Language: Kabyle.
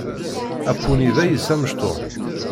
Apuni d ayis amecṭuḥ.